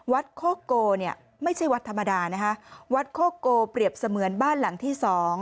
โคโกเนี่ยไม่ใช่วัดธรรมดานะคะวัดโคโกเปรียบเสมือนบ้านหลังที่สอง